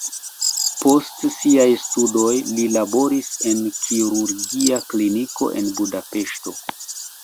Post siaj studoj li laboris en kirurgia kliniko en Budapeŝto.